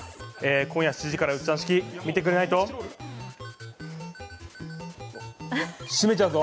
今夜７時から「ウッチャン式」見てくれないとしめちゃうぞ。